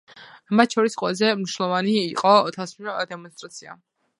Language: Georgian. მათ შორის ყველაზე მნიშვნელოვანი იყო თვალსაჩინო დემონსტრაცია.